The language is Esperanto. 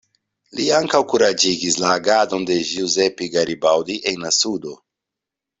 Li ankaŭ kuraĝigis la agadon de Giuseppe Garibaldi en la sudo.